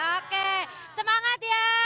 oke semangat ya